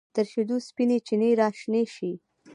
تر شیدو سپینې چینې راشنې شي